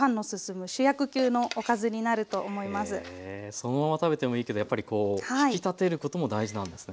そのまま食べてもいいけどやっぱりこう引き立てることも大事なんですね。